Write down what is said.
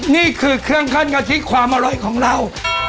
นี่คือเครื่องขั้นกะทิความอร่อยของเรา